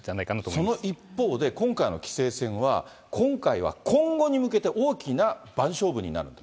その一方で、今回の棋聖戦は、今回は今後に向けて大きな番勝負になると。